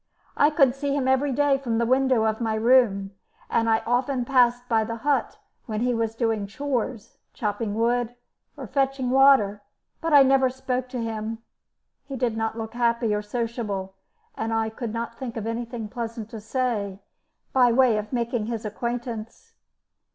I could see him every day from the window of my room, and I often passed by the hut when he was doing chores, chopping wood, or fetching water, but I never spoke to him. He did not look happy or sociable, and I could not think of anything pleasant to say by way of making his acquaintance.